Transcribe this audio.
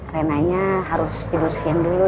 renanya harus tidur siang dulu